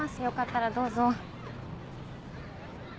よかったらどうぞ。